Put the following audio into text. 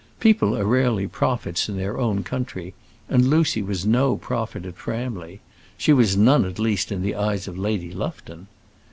People are rarely prophets in their own country, and Lucy was no prophet at Framley; she was none, at least, in the eyes of Lady Lufton.